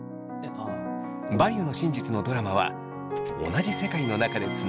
「バリューの真実」のドラマは同じ世界の中でつながっています。